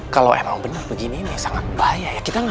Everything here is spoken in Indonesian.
kalau emang bener begini ini sangat bahaya